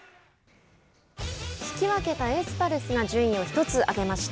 引き分けたエスパルスが順位を１つ上げました。